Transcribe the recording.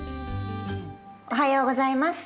おはようございます。